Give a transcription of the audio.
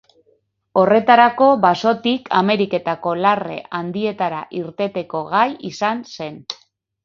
Horretarako basotik Ameriketako larre handietara irteteko gai izan zen.